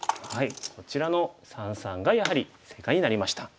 こちらの三々がやはり正解になりました。